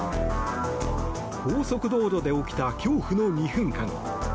高速道路で起きた恐怖の２分間。